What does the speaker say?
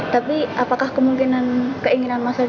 tapi apakah kemungkinan keinginan masa lalu